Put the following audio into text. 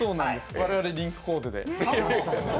我々、リンクコーデで。